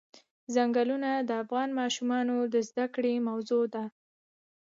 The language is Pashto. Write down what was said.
ځنګلونه د افغان ماشومانو د زده کړې موضوع ده.